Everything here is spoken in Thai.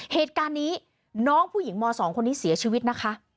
เหตุการณ์นี้น้องผู้หญิงม๒คนนี้เสียชีวิตนะคะ